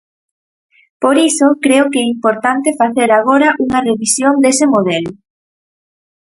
Por iso creo que é importante facer agora unha revisión dese modelo.